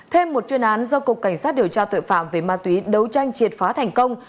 thêm một chuyên án do cục cảnh sát điều tra tội phạm về ma túy đấu tranh triệt phá thành công